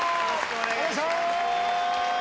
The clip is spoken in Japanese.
お願いします！